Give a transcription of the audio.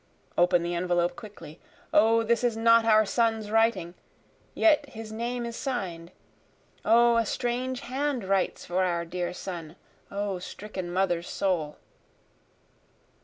Open the envelope quickly, O this is not our son's writing, yet his name is sign'd, O a strange hand writes for our dear son, O stricken mother's soul!